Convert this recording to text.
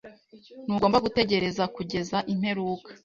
Ntugomba gutegereza kugeza imperuka.